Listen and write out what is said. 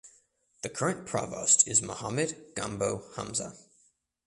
The current Provost is Mohammed Gambo Hamza.